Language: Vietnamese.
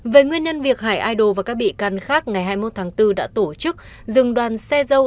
về nguyên nhân việc hải idol và các bị can khác ngày hai mươi một tháng bốn đã tổ chức dừng đoàn xe dâu